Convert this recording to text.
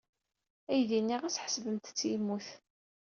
Aydi-nni ɣas ḥeṣbemt-t yemmut.